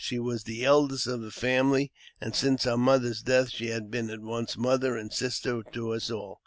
She was the eldest of the family, and since our mother's death she had been at once mother and sister to us all.